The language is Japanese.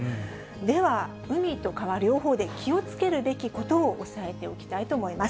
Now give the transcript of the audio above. では、海と川、両方で気をつけるべきことを押さえておきたいと思います。